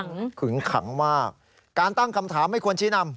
ไม่ต้องกลัวไม่ได้มีปัญหาแล้วก็อย่าไปชี้นำ